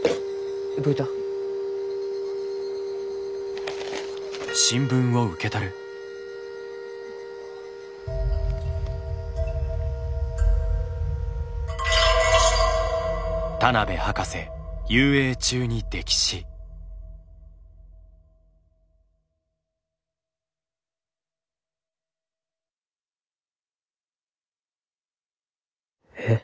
どういた？えっ？